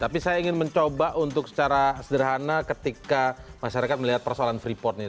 tapi saya ingin mencoba untuk secara sederhana ketika masyarakat melihat persoalan freeport ini